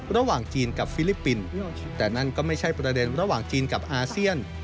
ระหว่างจีนกับฟิลิปปินส์แต่นั่นก็ไม่ใช่ประเด็นระหว่างจีนกับอาเซียน